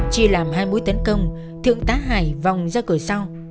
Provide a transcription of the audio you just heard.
chia làm hai mũi tấn công thượng tá hải vòng ra cửa sau